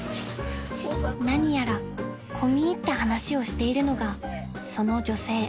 ［何やら込み入った話をしているのがその女性］